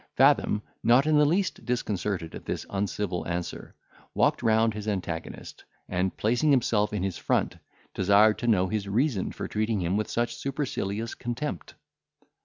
Fathom, not in the least disconcerted at this uncivil answer, walked round his antagonist, and, placing himself in his front, desired to know his reason for treating him with such supercilious contempt.